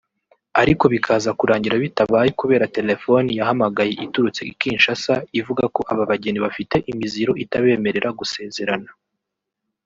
ariko bikaza kurangira bitabaye kubera telefoni yahamagaye iturutse i Kinshasa ivuga ko aba bageni bafite imiziro itabemerera gusezerana